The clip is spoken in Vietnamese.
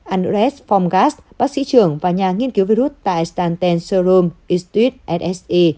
andres formgas bác sĩ trưởng và nhà nghiên cứu virus tại staten serum institute at se